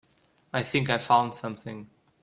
I think I found something.